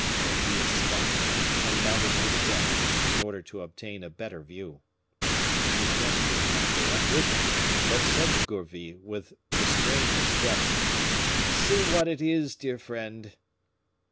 Gourville started, and mounted to the deck, in order to obtain a better view. Fouquet did not go up with him, but said to Gourville, with restrained mistrust: "See what it is, dear friend."